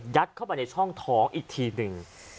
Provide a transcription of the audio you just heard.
เข้าไปในช่องท้องอีกทีหนึ่ง